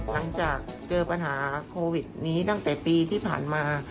หลังจากเจอปัญหาโควิดนี้ตั้งแต่ปีที่ผ่านมา